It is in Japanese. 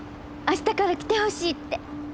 あしたから来てほしいって。